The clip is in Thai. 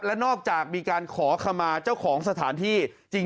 และนอกจากมีการขอขมาเจ้าของสถานที่จริง